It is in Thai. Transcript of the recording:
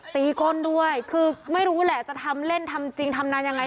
ก้นด้วยคือไม่รู้แหละจะทำเล่นทำจริงทำนานยังไง